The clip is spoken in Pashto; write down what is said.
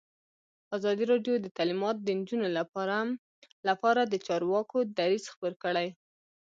ازادي راډیو د تعلیمات د نجونو لپاره لپاره د چارواکو دریځ خپور کړی.